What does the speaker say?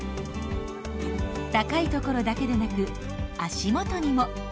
高いところだけでなく足元にも。